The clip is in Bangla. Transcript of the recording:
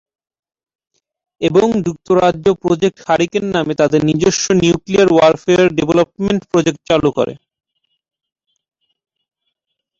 এবং যুক্তরাজ্য প্রোজেক্ট হারিকেন নামে তাদের নিজস্ব নিউক্লিয়ার ওয়ারফেয়ার ডেভলপমেন্ট প্রোজেক্ট চালু করে।